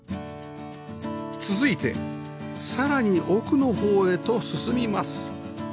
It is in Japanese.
続いてさらに奥の方へと進みます